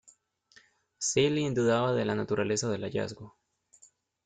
Seeley dudaba de la naturaleza del hallazgo.